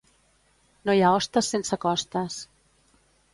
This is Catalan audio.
No hi ha hostes sense costes.